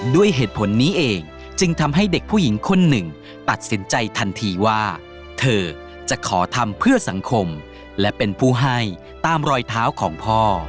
ด้วยเหตุผลนี้เองจึงทำให้เด็กผู้หญิงคนหนึ่งตัดสินใจทันทีว่าเธอจะขอทำเพื่อสังคมและเป็นผู้ให้ตามรอยเท้าของพ่อ